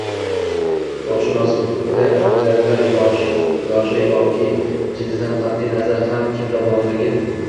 Ruhshunos bundy qobiliyatlar yoshi yoki jinsidan qatʼi nazar har kimda borligi